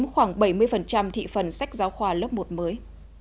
khoảng bảy mươi thị phần sách giáo khoa lớp một mới